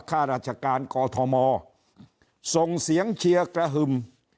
ข้าราชการกอทมส่งเสียงเชียร์กระหึ่ม